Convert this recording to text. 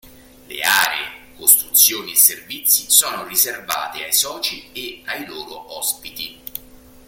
Le aree, costruzioni e servizi sono riservate ai soci e ai loro ospiti.